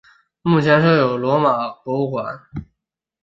目前设有罗马博物馆。